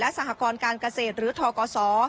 สหกรการเกษตรหรือทกศ